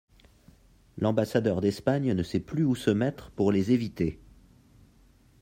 L'ambassadeur d'Espagne ne sait plus où se mettre pour les éviter.